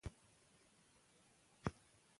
موږ پرون یو ښکلی ځای ولید.